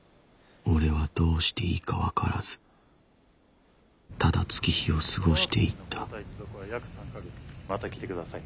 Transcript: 俺はどうしていいか分からずただ月日を過ごしていったまた来てください。